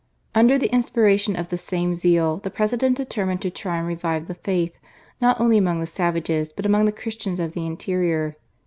Under the inspiration of the same zeal, the President determined to try and revive the faith, not only among the savages, but among the Christians of the interior.